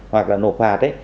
hoặc là nộp phạt